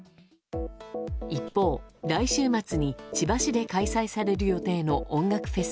一方、来週末に千葉市で開催される予定の音楽フェス